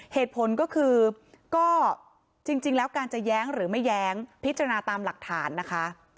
เหตุผลก็คือก็จริงแล้วการจะแย้งหรือไม่แย้งพิจารณาตามหลักฐานนะคะ